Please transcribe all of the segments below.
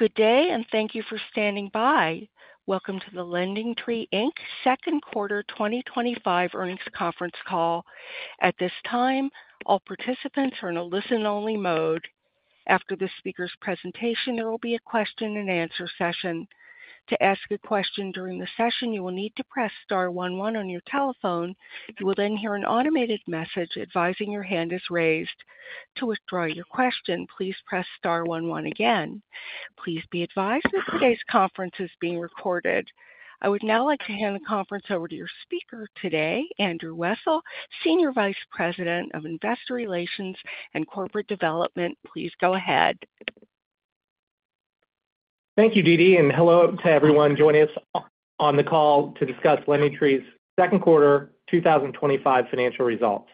Good day and thank you for standing by. Welcome to the LendingTree, Inc. second quarter 2025 earnings conference call. At this time, all participants are in a listen-only mode. After the speaker's presentation, there will be a question-and-answer session. To ask a question during the session, you will need to press star one one on your telephone. You will then hear an automated message advising your hand is raised. To withdraw your question, please press star one one again. Please be advised that today's conference is being recorded. I would now like to hand the conference over to your speaker today, Andrew Wessel, Senior Vice President of Investor Relations and Corporate Development. Please go ahead. Thank you, Didi, and hello to everyone joining us on the call to discuss LendingTree's second quarter 2025 financial results.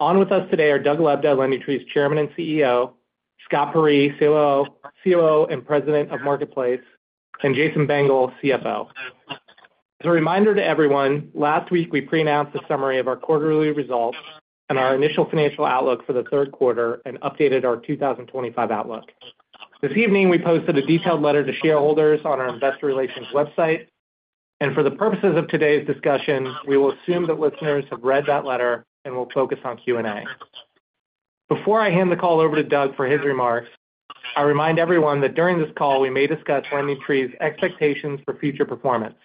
On with us today are Doug Lebda, LendingTree's Chairman and CEO, Scott Peyree, COO and President of Marketplace, and Jason Bengel, CFO. As a reminder to everyone, last week we pre-announced a summary of our quarterly results and our initial financial outlook for the third quarter and updated our 2025 outlook. This evening we posted a detailed letter to shareholders on our Investor Relations website, and for the purposes of today's discussion, we will assume that listeners have read that letter and will focus on Q&A. Before I hand the call over to Doug for his remarks, I remind everyone that during this call we may discuss LendingTree's expectations for future performance.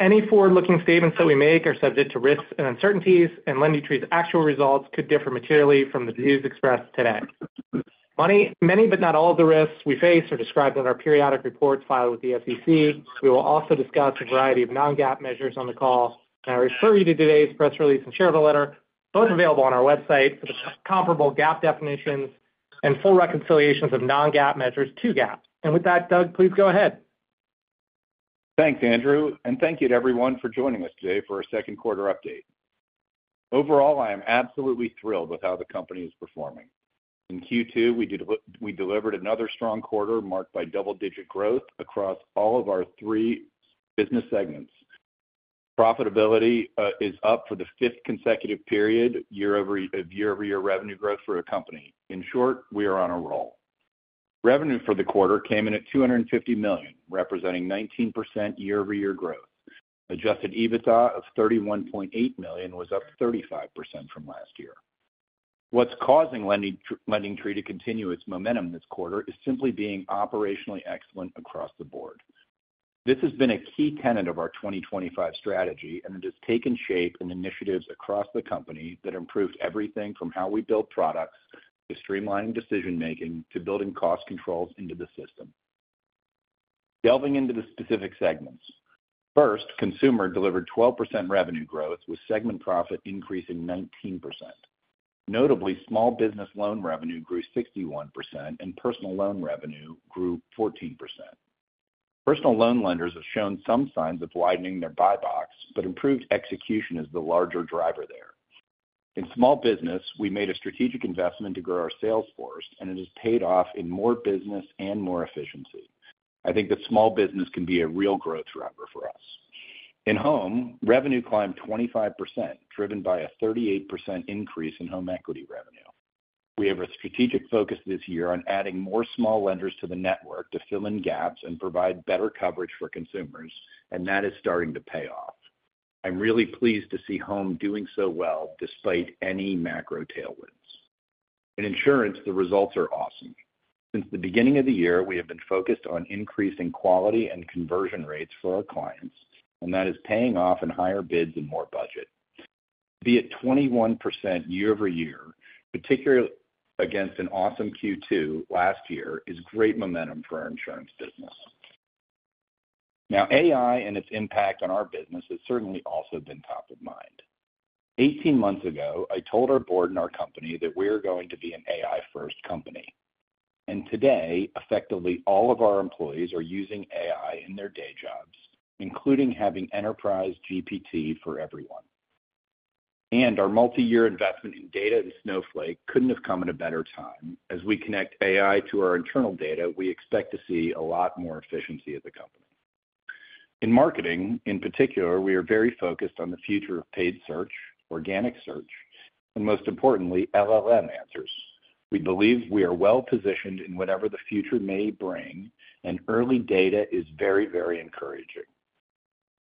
Any forward-looking statements that we make are subject to risks and uncertainties, and LendingTree's actual results could differ materially from the views expressed today. Many, but not all, of the risks we face are described in our periodic reports filed with the SEC. We will also discuss a variety of non-GAAP measures on the call, and I refer you to today's press release and shareholder letter, both available on our website, for the comparable GAAP definitions and full reconciliations of non-GAAP measures to GAAP. With that, Doug, please go ahead. Thanks, Andrew, and thank you to everyone for joining us today for our second quarter update. Overall, I am absolutely thrilled with how the company is performing. In Q2, we delivered another strong quarter marked by double-digit growth across all of our three business segments. Profitability is up for the fifth consecutive period of year-over-year revenue growth for a company. In short, we are on a roll. Revenue for the quarter came in at $250 million, representing 19% year-over-year growth. Adjusted EBITDA of $31.8 million was up 35% from last year. What's causing LendingTree to continue its momentum this quarter is simply being operationally excellent across the board. This has been a key tenet of our 2025 strategy, and it has taken shape in initiatives across the company that improved everything from how we build products to streamlining decision-making to building cost controls into the system. Delving into the specific segments, first, consumer delivered 12% revenue growth, with segment profit increasing 19%. Notably, small business loan revenue grew 61%, and personal loan revenue grew 14%. Personal loan lenders have shown some signs of widening their buy box, but improved execution is the larger driver there. In small business, we made a strategic investment to grow our sales force, and it has paid off in more business and more efficiency. I think that small business can be a real growth driver for us. In home, revenue climbed 25%, driven by a 38% increase in home equity revenue. We have a strategic focus this year on adding more small lenders to the network to fill in gaps and provide better coverage for consumers, and that is starting to pay off. I'm really pleased to see home doing so well despite any macro tailwinds. In insurance, the results are awesome. Since the beginning of the year, we have been focused on increasing quality and conversion rates for our clients, and that is paying off in higher bids and more budget. Be it 21% year-over-year, particularly against an awesome Q2 last year, is great momentum for our insurance business. Now, AI and its impact on our business has certainly also been top of mind. 18 months ago, I told our board and our company that we are going to be an AI-first company. Today, effectively, all of our employees are using AI in their day jobs, including having enterprise GPT for everyone. Our multi-year investment in data to Snowflake couldn't have come at a better time. As we connect AI to our internal data, we expect to see a lot more efficiency at the company. In marketing, in particular, we are very focused on the future of paid search, organic search, and most importantly, LLM answers. We believe we are well positioned in whatever the future may bring, and early data is very, very encouraging.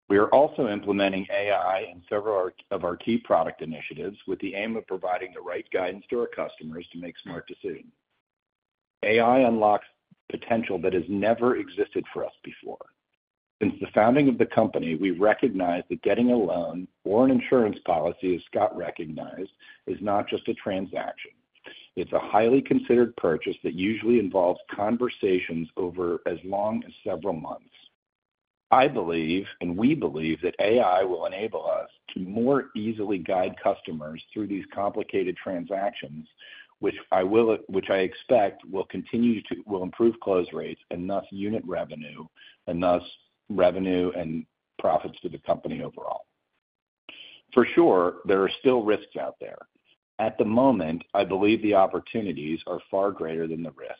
We are also implementing AI in several of our key product initiatives with the aim of providing the right guidance to our customers to make smart decisions. AI unlocks potential that has never existed for us before. Since the founding of the company, we recognize that getting a loan or an insurance policy, as Scott recognized, is not just a transaction. It's a highly considered purchase that usually involves conversations over as long as several months. I believe, and we believe, that AI will enable us to more easily guide customers through these complicated transactions, which I expect will continue to improve close rates and thus unit revenue and thus revenue and profits to the company overall. For sure, there are still risks out there. At the moment, I believe the opportunities are far greater than the risks.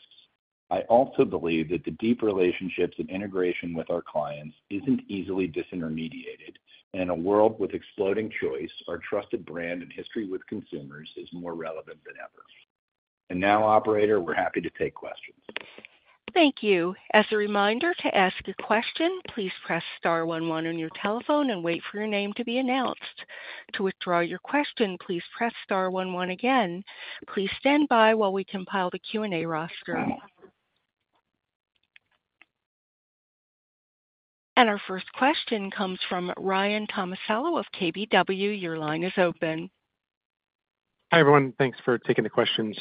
I also believe that the deep relationships and integration with our clients aren't easily disintermediated. In a world with exploding choice, our trusted brand and history with consumers is more relevant than ever. Now, operator, we're happy to take questions. Thank you. As a reminder to ask a question, please press star one one on your telephone and wait for your name to be announced. To withdraw your question, please press star one one again. Please stand by while we compile the Q&A roster. Our first question comes from Ryan Tomasello of KBW. Your line is open. Hi everyone, thanks for taking the questions.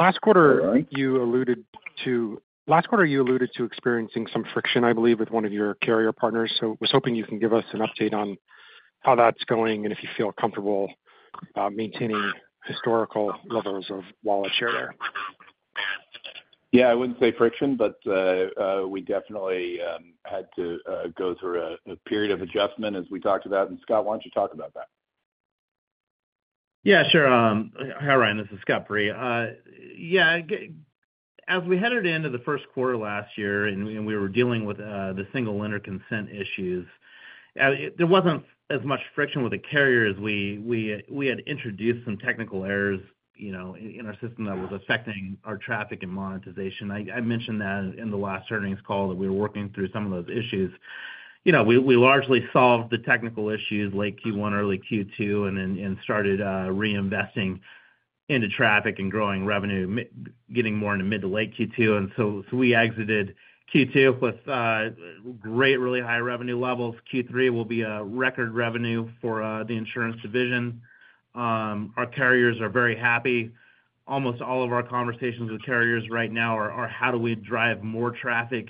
Last quarter, you alluded to experiencing some friction, I believe, with one of your carrier partners. I was hoping you can give us an update on how that's going and if you feel comfortable about maintaining historical levels of wallet share there. Yeah, I wouldn't say friction, but we definitely had to go through a period of adjustment, as we talked about. Scott, why don't you talk about that? Yeah, sure. Hi, Ryan, this is Scott Peyree. As we headed into the first quarter last year and we were dealing with the single lender consent issues, there wasn't as much friction with the carrier as we had introduced some technical errors in our system that was affecting our traffic and monetization. I mentioned that in the last earnings call that we were working through some of those issues. We largely solved the technical issues late Q1, early Q2, and then started reinvesting into traffic and growing revenue, getting more into mid to late Q2. We exited Q2 with great, really high revenue levels. Q3 will be a record revenue for the insurance division. Our carriers are very happy. Almost all of our conversations with carriers right now are how do we drive more traffic,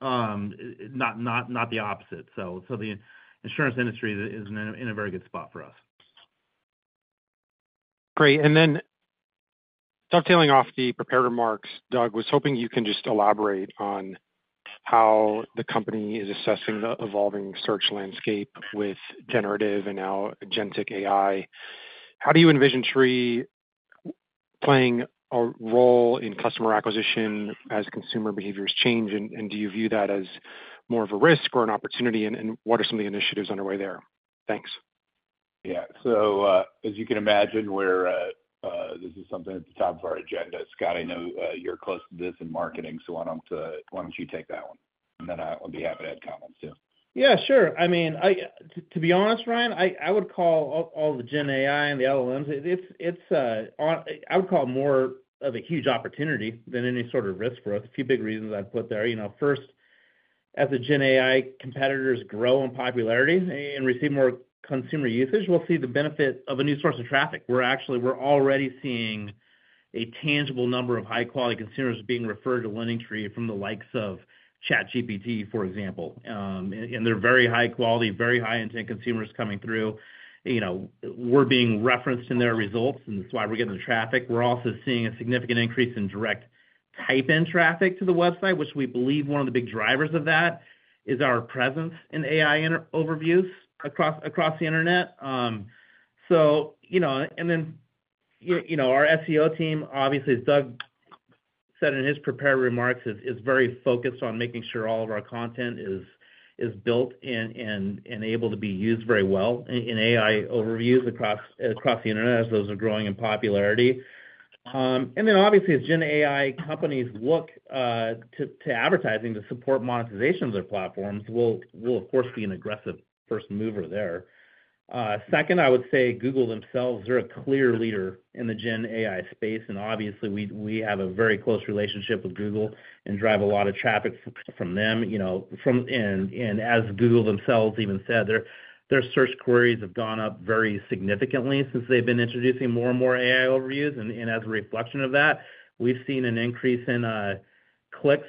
not the opposite. The insurance industry is in a very good spot for us. Great. Dovetailing off the prepared remarks, Doug, was hoping you can just elaborate on how the company is assessing the evolving search landscape with generative and now agentic AI. How do you envision Tree playing a role in customer acquisition as consumer behaviors change? Do you view that as more of a risk or an opportunity? What are some of the initiatives underway there? Thanks. Yeah, as you can imagine, this is something at the top of our agenda. Scott, I know you're close to this in marketing, so why don't you take that one? I'll be happy to add comments too. Yeah, sure. I mean, to be honest, Ryan, I would call all the GenAI and the LLMs more of a huge opportunity than any sort of risk for us. A few big reasons I'd put there. First, as the GenAI competitors grow in popularity and receive more consumer usage, we'll see the benefit of a new source of traffic. We're already seeing a tangible number of high-quality consumers being referred to LendingTree from the likes of ChatGPT, for example. They're very high quality, very high intent consumers coming through. We're being referenced in their results, and that's why we're getting the traffic. We're also seeing a significant increase in direct type-in traffic to the website, which we believe one of the big drivers of that is our presence in AI overviews across the internet. Our SEO team, obviously, as Doug said in his prepared remarks, is very focused on making sure all of our content is built and able to be used very well in AI overviews across the internet as those are growing in popularity. Obviously, as GenAI companies look to advertising to support monetization of their platforms, we'll, of course, be an aggressive first mover there. Second, I would say Google themselves, they're a clear leader in the GenAI space. Obviously, we have a very close relationship with Google and drive a lot of traffic from them. As Google themselves even said, their search queries have gone up very significantly since they've been introducing more and more AI overviews. As a reflection of that, we've seen an increase in clicks,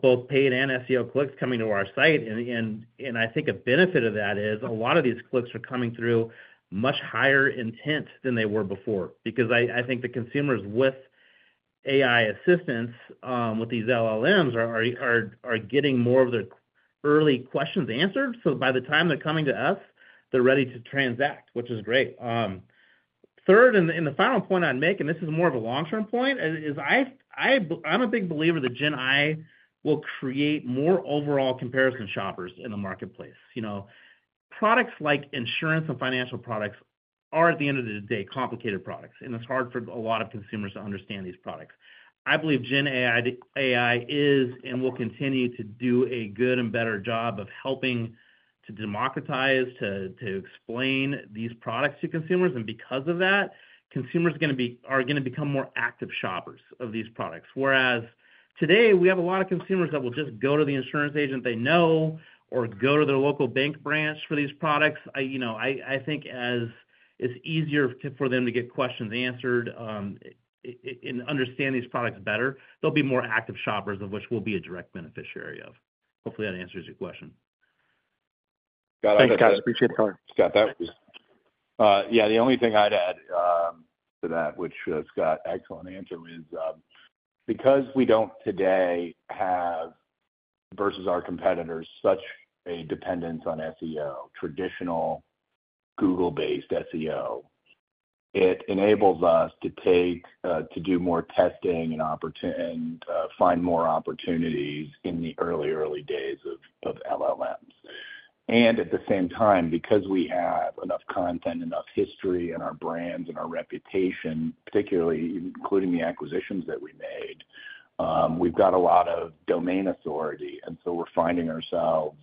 both paid and SEO clicks coming to our site. I think a benefit of that is a lot of these clicks are coming through much higher intent than they were before. I think the consumers with AI assistance, with these LLMs, are getting more of their early questions answered. By the time they're coming to us, they're ready to transact, which is great. Third, and the final point I'd make, and this is more of a long-term point, is I'm a big believer that GenAI will create more overall comparison shoppers in the marketplace. Products like insurance and financial products are, at the end of the day, complicated products. It's hard for a lot of consumers to understand these products. I believe GenAI is and will continue to do a good and better job of helping to democratize, to explain these products to consumers. Because of that, consumers are going to become more active shoppers of these products. Whereas today, we have a lot of consumers that will just go to the insurance agent they know or go to their local bank branch for these products. I think as it's easier for them to get questions answered and understand these products better, they'll be more active shoppers of which we'll be a direct beneficiary of. Hopefully, that answers your question. Got it. I appreciate the call. Yeah, the only thing I'd add to that, which Scott, excellent answer, is because we don't today have, versus our competitors, such a dependence on SEO, traditional Google-based SEO, it enables us to do more testing and find more opportunities in the early, early days of LLMs. At the same time, because we have enough content, enough history in our brands and our reputation, particularly including the acquisitions that we made, we've got a lot of domain authority. We're finding ourselves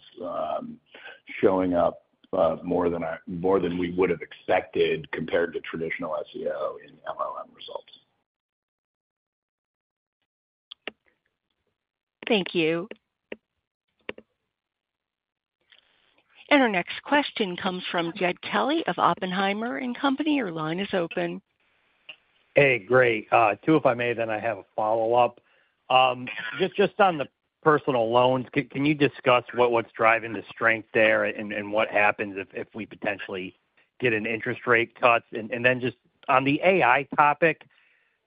showing up more than we would have expected compared to traditional SEO in LLM results. Thank you. Our next question comes from Jed Kelly of Oppenheimer & Company. Your line is open. Hey, great. If I may, then I have a follow-up. Just on the personal loans, can you discuss what's driving the strength there and what happens if we potentially get an interest rate cut? Just on the AI topic,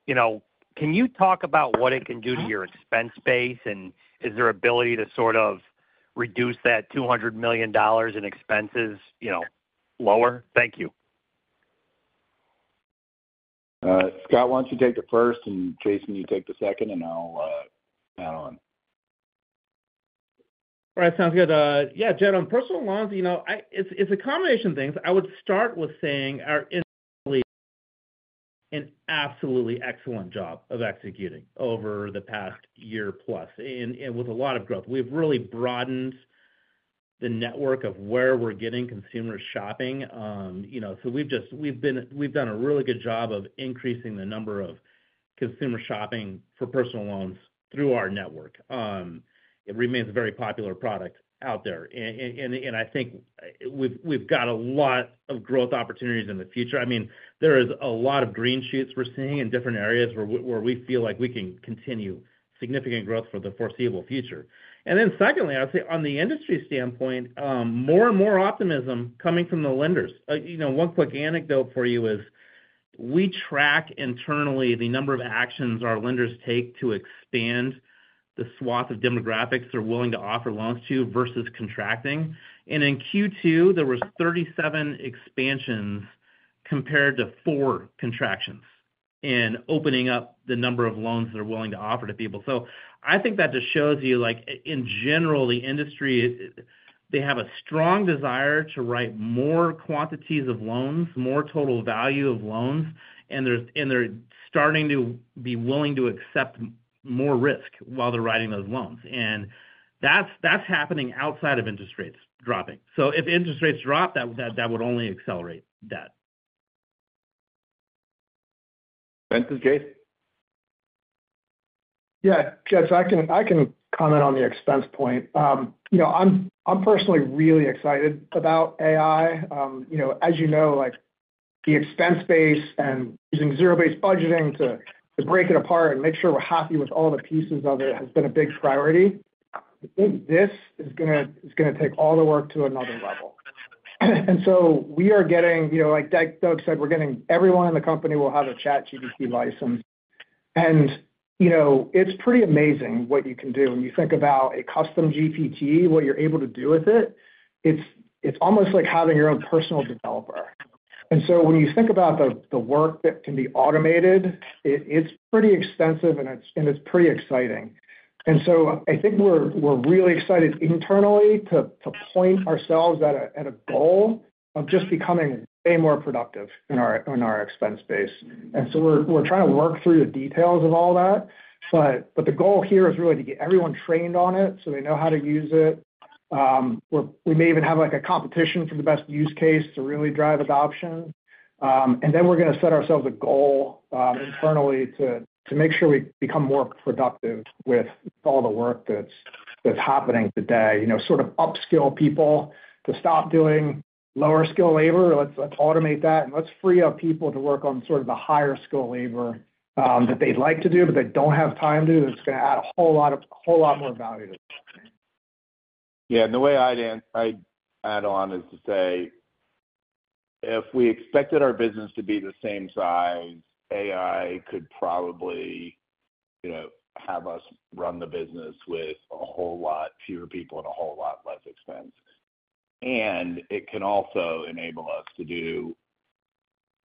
you know, can you talk about what it can do to your expense base and is there ability to sort of reduce that $200 million in expenses, you know, lower? Thank you. Scott, why don't you take the first and Jason, you take the second and I'll add on? All right, sounds good. Yeah, Jed, on personal loans, it's a combination of things. I would start with saying it's really an absolutely excellent job of executing over the past year plus and with a lot of growth. We've really broadened the network of where we're getting consumers shopping. We've done a really good job of increasing the number of consumers shopping for personal loans through our network. It remains a very popular product out there. I think we've got a lot of growth opportunities in the future. There are a lot of green sheets we're seeing in different areas where we feel like we can continue significant growth for the foreseeable future. Secondly, I would say on the industry standpoint, more and more optimism is coming from the lenders. One quick anecdote for you is we track internally the number of actions our lenders take to expand the swath of demographics they're willing to offer loans to versus contracting. In Q2, there were 37 expansions compared to 4 contractions in opening up the number of loans they're willing to offer to people. I think that just shows you, in general, the industry has a strong desire to write more quantities of loans, more total value of loans, and they're starting to be willing to accept more risk while they're writing those loans. That's happening outside of interest rates dropping. If interest rates drop, that would only accelerate that. Yeah, Jed, I can comment on the expense point. I'm personally really excited about AI. As you know, the expense base and using zero-based budgeting to break it apart and make sure we're happy with all the pieces of it has been a big priority. I think this is going to take all the work to another level. We are getting, like Doug said, everyone in the company will have a ChatGPT license. It's pretty amazing what you can do. When you think about a custom GPT, what you're able to do with it, it's almost like having your own personal developer. When you think about the work that can be automated, it's pretty extensive and it's pretty exciting. I think we're really excited internally to point ourselves at a goal of just becoming way more productive in our expense base. We're trying to work through the details of all that. The goal here is really to get everyone trained on it so they know how to use it. We may even have a competition for the best use case to really drive adoption. We're going to set ourselves a goal internally to make sure we become more productive with all the work that's happening today. Sort of upskill people to stop doing lower skill labor. Let's automate that and let's free up people to work on the higher skill labor that they'd like to do, but they don't have time to do. It's going to add a whole lot more value to the company. The way I'd add on is to say if we expected our business to be the same size, AI could probably have us run the business with a whole lot fewer people and a whole lot less expense. It can also enable us to do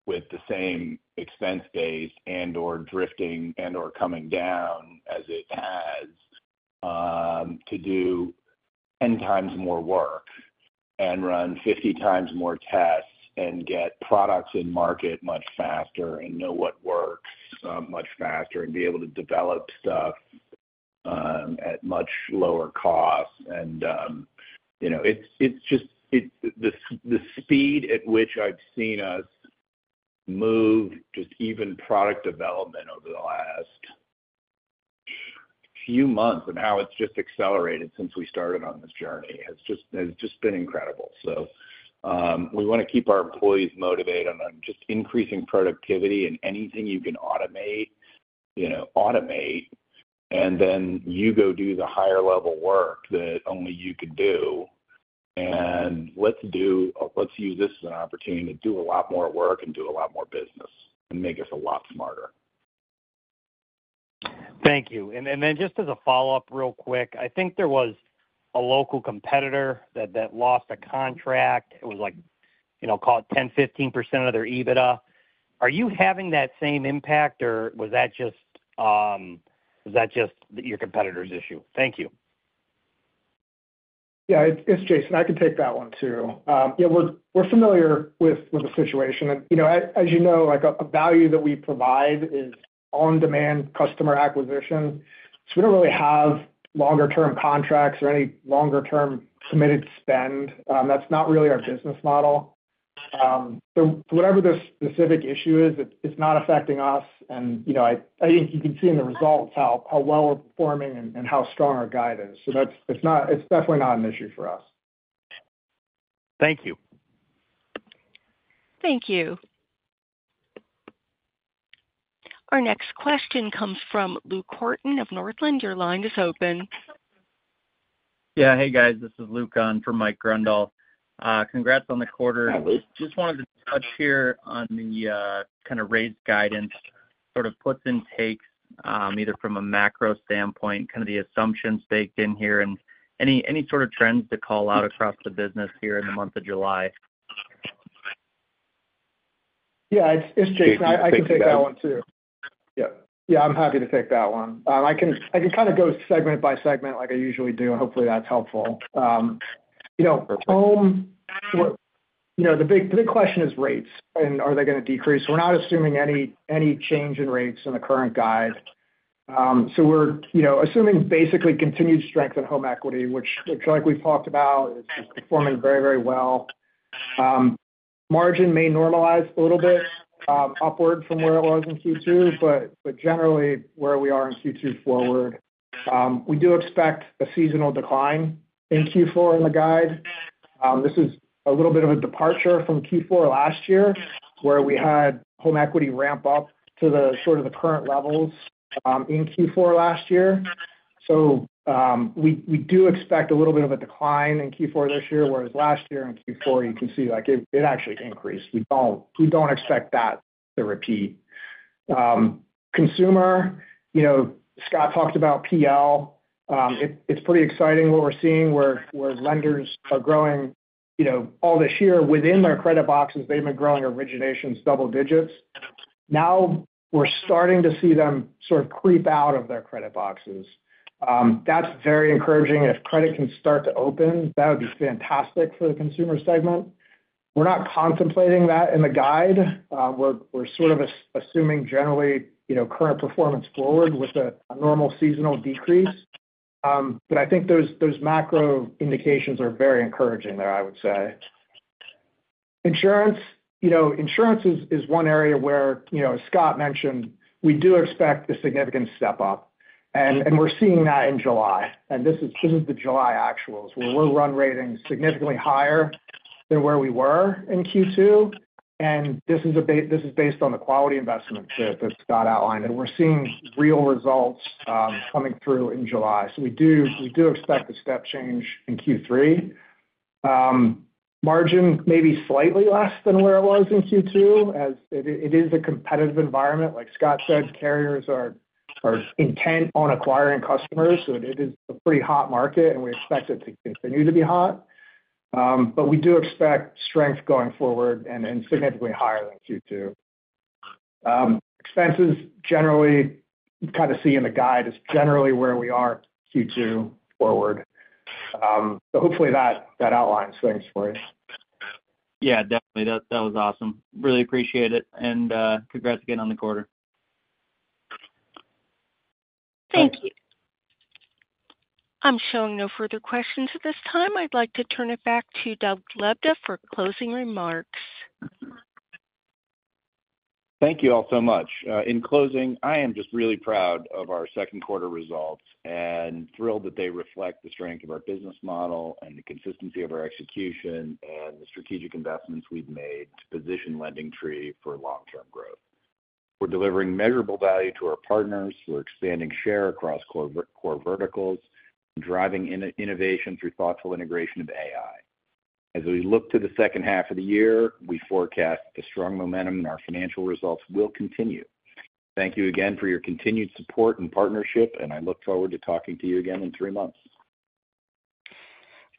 with the same expense base and/or drifting and/or coming down as it has to do 10 times more work and run 50 times more tests and get products in market much faster and know what works much faster and be able to develop stuff at much lower cost. The speed at which I've seen us move to even product development over the last few months, and now it's just accelerated since we started on this journey, has just been incredible. We want to keep our employees motivated on just increasing productivity and anything you can automate, automate. Then you go do the higher level work that only you can do. Let's use this as an opportunity to do a lot more work and do a lot more business and make us a lot smarter. Thank you. Just as a follow-up real quick, I think there was a local competitor that lost a contract. It was, you know, call it 10%-15% of their EBITDA. Are you having that same impact or was that just your competitor's issue? Thank you. Yeah, it's Jason. I can take that one too. We're familiar with the situation. You know, as you know, like a value that we provide is on-demand customer acquisition. We don't really have longer-term contracts or any longer-term committed spend. That's not really our business model. Whatever the specific issue is, it's not affecting us. You know, I think you can see in the results how well we're performing and how strong our guide is. It's definitely not an issue for us. Thank you. Thank you. Our next question comes from Luke Horton of Northland. Your line is open. Yeah, hey guys, this is Luke on for Mike Grondahl. Congrats on the quarter. I just wanted to touch here on the kind of raised guidance, sort of puts and takes either from a macro standpoint, kind of the assumptions baked in here, and any sort of trends to call out across the business here in the month of July. Yeah, it's Jason. I can take that one too. I'm happy to take that one. I can kind of go segment by segment like I usually do, and hopefully that's helpful. You know, the big question is rates, and are they going to decrease? We're not assuming any change in rates in the current guide. We're assuming basically continued strength in home equity, which I feel like we've talked about is performing very, very well. Margin may normalize a little bit upward from where it was in Q2, but generally where we are in Q2 forward. We do expect a seasonal decline in Q4 in the guide. This is a little bit of a departure from Q4 last year where we had home equity ramp up to the sort of the current levels in Q4 last year. We do expect a little bit of a decline in Q4 this year, whereas last year in Q4, you can see like it actually increased. We don't expect that to repeat. Consumer, you know, Scott talked about PL. It's pretty exciting what we're seeing where lenders are growing, you know, all this year within their credit boxes. They've been growing originations double digits. Now we're starting to see them sort of creep out of their credit boxes. That's very encouraging. If credit can start to open, that would be fantastic for the consumer segment. We're not contemplating that in the guide. We're sort of assuming generally, you know, current performance forward with a normal seasonal decrease. I think those macro indications are very encouraging there, I would say. Insurance is one area where, as Scott mentioned, we do expect a significant step up. We're seeing that in July. This is the July actuals where we're run rating significantly higher than where we were in Q2. This is based on the quality investment that Scott outlined. We're seeing real results coming through in July. We do expect a step change in Q3. Margin may be slightly less than where it was in Q2. It is a competitive environment. Like Scott said, carriers are intent on acquiring customers. It is a pretty hot market, and we expect it to continue to be hot. We do expect strength going forward and significantly higher than Q2. Expenses generally, you kind of see in the guide, is generally where we are Q2 forward. Hopefully that outlines things for you. Yeah, definitely. That was awesome. Really appreciate it, and congrats again on the quarter. Thank you. I'm showing no further questions at this time. I'd like to turn it back to Doug Lebda for closing remarks. Thank you all so much. In closing, I am just really proud of our second quarter results and thrilled that they reflect the strength of our business model, the consistency of our execution, and the strategic investments we've made to position LendingTree for long-term growth. We're delivering measurable value to our partners, expanding share across core verticals, and driving innovation through thoughtful integration of AI. As we look to the second half of the year, we forecast the strong momentum in our financial results will continue. Thank you again for your continued support and partnership. I look forward to talking to you again in three months.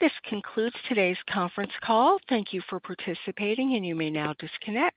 This concludes today's conference call. Thank you for participating, and you may now disconnect.